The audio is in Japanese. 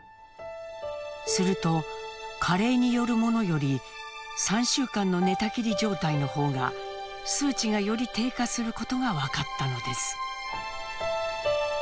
すると加齢によるものより３週間の寝たきり状態の方が数値がより低下することが分かったのです。